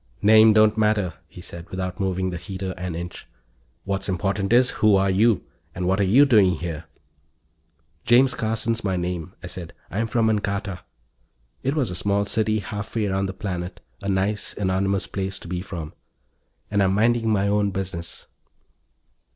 "Name don't matter," he said without moving the heater an inch. "What's important is, who are you? And what are you doing here?" "James Carson's my name," I said. "I'm from Ancarta." It was a small city halfway around the planet, a nice, anonymous place to be from. "And I'm minding my own business."